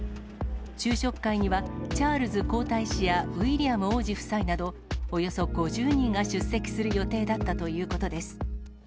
昼食会には、チャールズ皇太子やウィリアム王子夫妻など、およそ５０人が出席する予定だったということです。